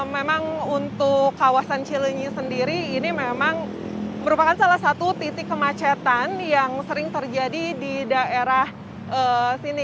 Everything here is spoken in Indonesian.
memang untuk kawasan cilenyi sendiri ini memang merupakan salah satu titik kemacetan yang sering terjadi di daerah sini